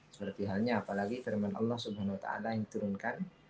seperti halnya apalagi terima allah swt yang turunkan